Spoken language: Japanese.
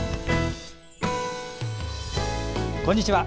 こんにちは。